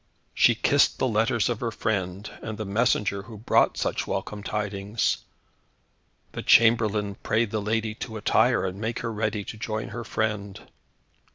She kissed the letters of her friend, and the messenger who brought such welcome tidings. The chamberlain prayed the lady to attire and make her ready to join her friend.